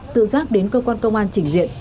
tự giác đến cơ quan công an trình diện